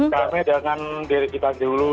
damai dengan diri kita dulu